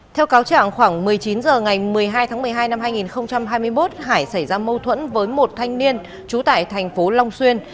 theo cáo trạng khoảng một mươi chín h ngày một mươi hai tháng một mươi hai năm hai nghìn hai mươi một hải xảy ra mâu thuẫn với một thanh niên trú tại thành phố long xuyên